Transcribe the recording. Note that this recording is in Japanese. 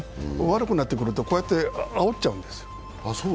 悪くなってくると、あおっちゃうんですよ。